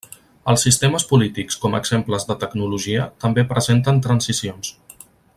Els sistemes polítics com a exemples de tecnologia, també presenten transicions.